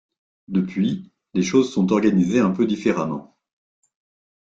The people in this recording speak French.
Depuis, les choses sont organisées un peu différemment.